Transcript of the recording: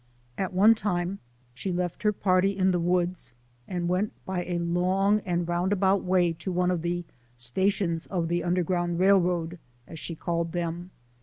At one time she left her party in the woods, and went by a lon^ and roundabout way to one of the " stations of the Underground Railway," as she called them.